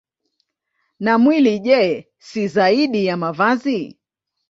Na mwili, je, si zaidi ya mavazi?